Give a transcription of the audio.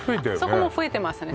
そこも増えてますね